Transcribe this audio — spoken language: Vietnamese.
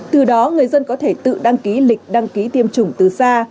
từ đó người dân có thể tự đăng ký lịch đăng ký tiêm chủng từ xa